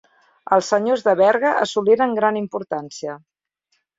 Els senyors de Berga assoliren gran importància.